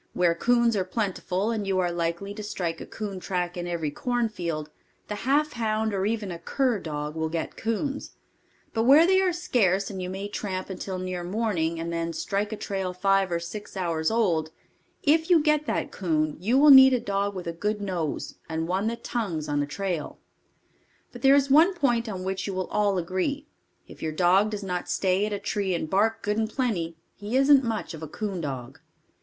Where coons are plentiful and you are likely to strike a coon track in every cornfield, the half hound or even a cur dog, will get coons; but where they are scarce and you may tramp until near morning, and then strike a trail five or six hours old, if you get that coon, you will need a dog with a good nose and one that tongues on a trail. But there is one point on which you will all agree if your dog does not stay at a tree and bark good and plenty, he isn't much of a coon dog.